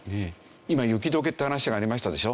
今雪解けって話がありましたでしょ。